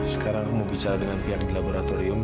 sekarang mau bicara dengan pihak di laboratorium